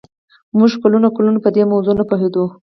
موږ کلونه کلونه په دې موضوع نه پوهېدو